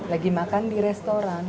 lagi makan di restoran